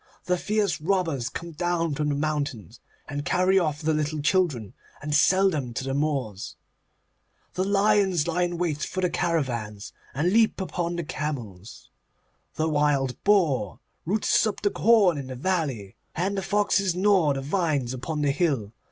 The fierce robbers come down from the mountains, and carry off the little children, and sell them to the Moors. The lions lie in wait for the caravans, and leap upon the camels. The wild boar roots up the corn in the valley, and the foxes gnaw the vines upon the hill.